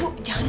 bu jangan bu